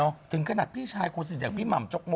โอเคเดี๋ยวกลับมาครับ